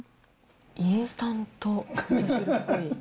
インスタントみそ汁っぽい。